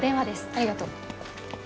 ありがとう。